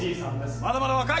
まだまだ若い！